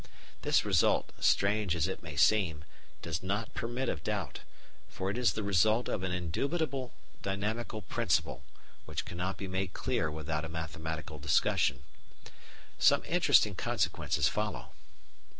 This result, strange as it may seem, does not permit of doubt, for it is the result of an indubitable dynamical principle, which cannot be made clear without a mathematical discussion. Some interesting consequences follow.